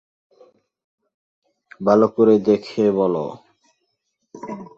ভালো করে দেখে বল।